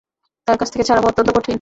তার কাছ থেকে ছাড়া পাওয়া অত্যন্ত কঠিন।